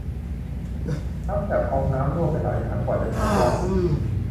น้ำจากก๊อกน้ำรั่วไปหลายถังกว่าจะถูกซ่อม